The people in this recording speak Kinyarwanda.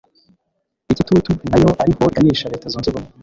igitutu na yo ari ho iganisha Leta Zunze Ubumwe